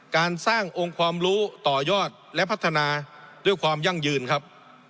การสร้างองค์ความรู้ต่อยอดและพัฒนาด้วยความยั่งยืนครับ